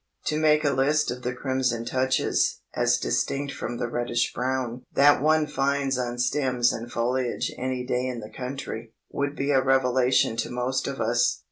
To make a list of the crimson touches (as distinct from the reddish brown) that one finds on stems and foliage any day in the country, would be a revelation to most of us.